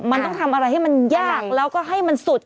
มันต้องทำอะไรให้มันยากแล้วก็ให้มันสุด